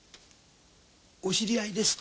お知り合いですか？